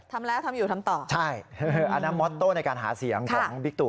ทำแล้วทำอยู่ทำต่อใช่อันนั้นมอโต้ในการหาเสียงของบิ๊กตู